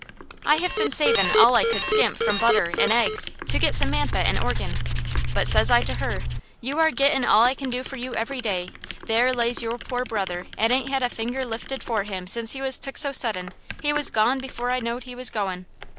I have been savin' all I could skimp from butter, an' eggs, to get Samantha a organ; but says I to her: 'You are gettin' all I can do for you every day; there lays your poor brother 'at ain't had a finger lifted for him since he was took so sudden he was gone before I knowed he was goin'.'